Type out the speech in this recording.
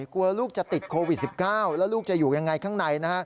กลัวลูกจะติดโควิด๑๙แล้วลูกจะอยู่ยังไงข้างใน